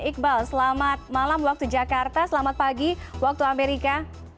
iqbal selamat malam waktu jakarta selamat pagi waktu amerika